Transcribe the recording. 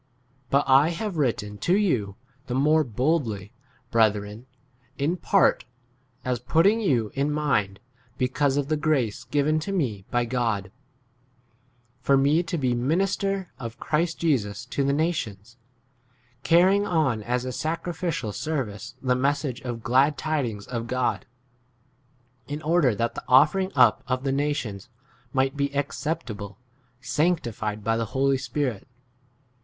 But I have written to you the more boldly, brethren, in part, as putting you in mind, be cause of the grace given to me by 16 God, for me to be b minister of Christ Jesus to the nations, carry ing on as a sacrificial service the message of glad tidings of God, in order that the offering up of the nations might be acceptable, 17 sanctified by [the] Holy Spirit.